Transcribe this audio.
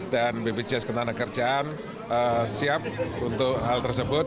dan bpjs kena kerjaan siap untuk hal tersebut